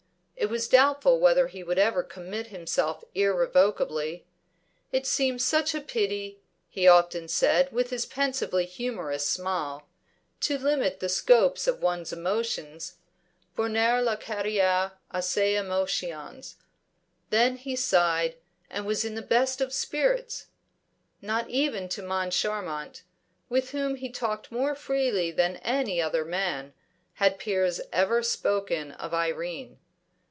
It was doubtful whether he would ever commit himself irrevocably. "It seems such a pity," he often said, with his pensively humorous smile, "to limit the scope of one's emotions borner la carriere a ses emotions!" Then he sighed, and was in the best of spirits. Not even to Moncharmont with whom he talked more freely than with any other man had Piers ever spoken of Irene.